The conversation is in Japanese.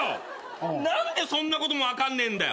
何でそんなことも分かんねえんだよ！